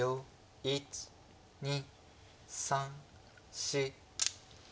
１２３４。